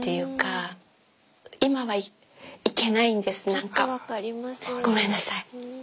何かごめんなさい。